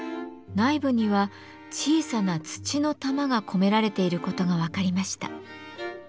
内部には小さな土の玉が込められていることが分かりました。